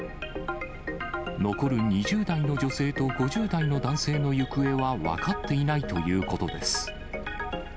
残る２０代の女性と５０代の男性の行方は分かっていないということです。